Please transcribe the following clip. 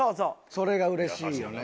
それが嬉しいよね。